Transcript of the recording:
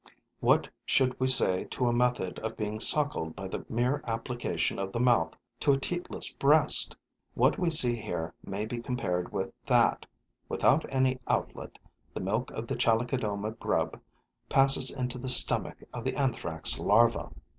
What should we say to a method of being suckled by the mere application of the mouth to a teatless breast? What we see here may be compared with that: without any outlet, the milk of the Chalicodoma grub passes into the stomach of the Anthrax' larva.